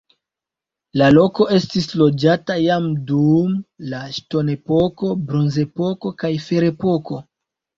La loko estis loĝata jam dum la ŝtonepoko, bronzepoko kaj ferepoko.